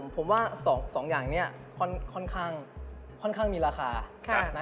ผมว่า๒อย่างนี้ค่อนข้างมีราคา